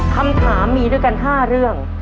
คำถามมีด้วยกัน๕เรื่อง